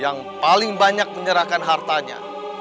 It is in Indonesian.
yang paling banyak menyerahkan hartanya